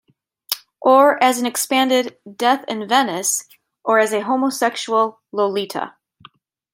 Or as an expanded "Death in Venice"... or as a homosexual "Lolita"...